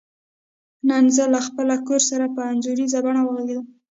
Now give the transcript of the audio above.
نن زه له خپل کور سره په انځوریزه بڼه وغږیدم.